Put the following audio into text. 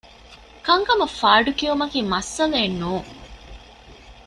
ކަންކަމަށް ފާޑު ކިއުމަކީ މައްސަލައެއް ނޫން